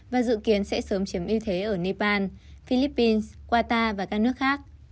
và dự kiến sẽ sớm chiếm ưu thế ở nepal philippines qatar và các nước khác